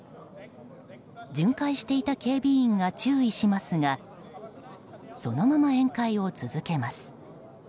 巡回していた警備員が注意しますがそのまま宴会を続けます。